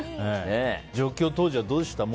上京当時はどうでしたか？